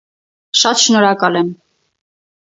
- Շատ շնորհակալ եմ: